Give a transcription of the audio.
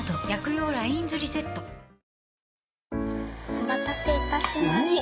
お待たせいたしました。